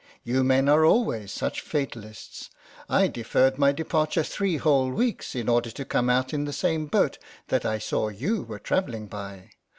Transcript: You men are always such fatalists. I deferred my departure three whole weeks, in order to come out in the same boat that I saw you were travelling by.